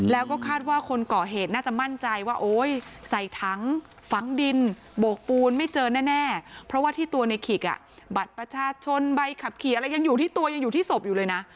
แล้วก็คาดว่าคนก่อเหตุน่าจะมั่นใจว่าโอ๊ยใส่ถังฝังดินโบกปูนไม่เจอแน่เพราะว่าที่ตัวในขิกบัตรประชาชนใบขับขี่อะไรยังอยู่ที่ตัวยังอยู่ที่ศพอยู่เลยนะ